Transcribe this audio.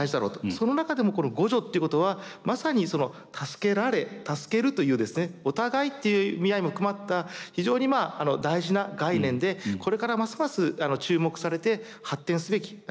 その中でもこの互助っていうことはまさに助けられ助けるというですねお互いっていう意味合いも含まった非常に大事な概念でこれからますます注目されて発展すべき概念じゃないかなと思います。